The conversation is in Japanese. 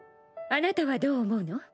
あなたはどう思うの？